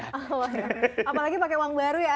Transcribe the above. apalagi pakai uang baru ya